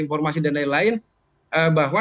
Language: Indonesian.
informasi dan lain lain bahwa